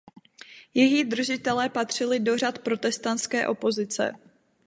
Jejich držitelé patřili do řad protestantské opozice.